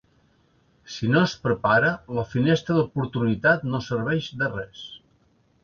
Si no es prepara, la finestra d’oportunitat no serveix de res.